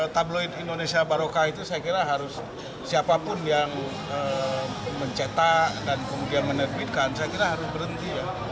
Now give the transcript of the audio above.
tabloid indonesia barokah itu saya kira harus siapapun yang mencetak dan kemudian menerbitkan saya kira harus berhenti ya